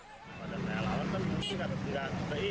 pada malam ini kata sejarah